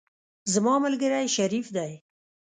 زما ملګری شریف دی.